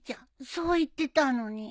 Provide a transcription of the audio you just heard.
そう言ってたのに。